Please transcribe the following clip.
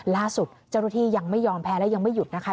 ล่าสุดเจ้าหน้าที่ยังไม่ยอมแพ้และยังไม่หยุดนะคะ